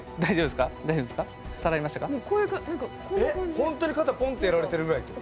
本当に肩ポンってやられてるぐらい？